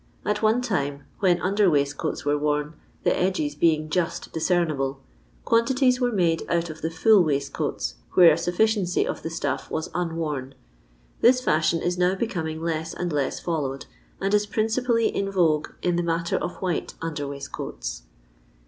At one time, when under waistcoats were worn, the edges being just discernible, quantities were made out of the full waistcoats where a sufficiency of the stuff was unworn. This fashion is now becoming less and less followed, and is principally in vogue in the matter of white under waistcoats.